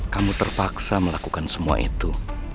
kamu terpaksa melakukan semua itu